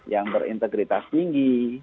yang berintegritas tinggi